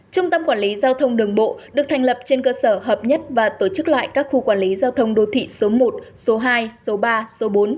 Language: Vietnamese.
trung tâm quản lý giao thông đường bộ được thành lập trên cơ sở hợp nhất và tổ chức lại các khu quản lý giao thông đô thị số một số hai số ba số bốn